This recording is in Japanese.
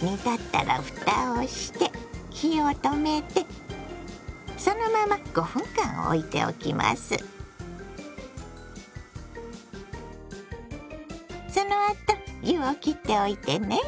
煮立ったらふたをして火を止めてそのままそのあと湯をきっておいてね。